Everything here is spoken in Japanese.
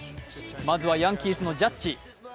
まずはヤンキースのジャッジ。